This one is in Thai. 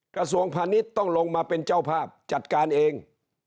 กระทรวงพาณิชย์ต้องลงมาเป็นเจ้าภาพจัดการเอง